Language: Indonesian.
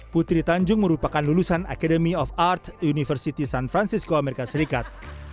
putri tanjung merupakan lulusan academy of art university san francisco amerika serikat